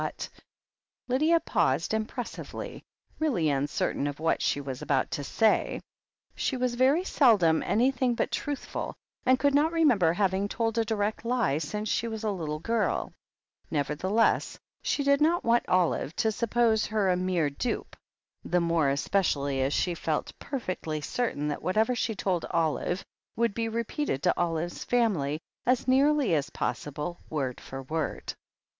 But Lydia paused impressively, really uncertain of what she was about to say. She was very seldom anything 202 THE HEEL OF ACHILLES but truthful, and could not remember ever having told a direct lie since she was a little girl. NeverthelesSi she did not want Olive to suppose her a mere dupe, the more especially as she felt perfectly certain that what ever she told Olive would be repeated to Olivers family, as nearly as possible word for word.